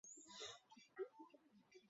陶德瑞出生于英国伦敦。